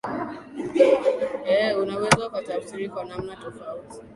ee unaweza ukatafsiri kwa namna tofauti